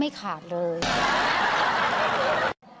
อูน่ารัก